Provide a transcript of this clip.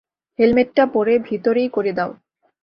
হেলমেটটা পরে ভেতরেই করে দাও।